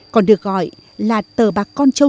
còn được gọi là tờ bạc con châu